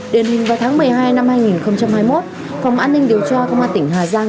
đền hình vào tháng một mươi hai năm hai nghìn hai mươi một phòng an ninh điều tra công an tỉnh hà giang